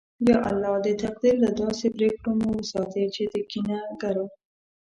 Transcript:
یا الله! د تقدیر له داسې پرېکړو مو وساتې چې د کینه گرو